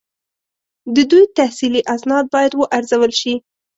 د دوی تحصیلي اسناد باید وارزول شي.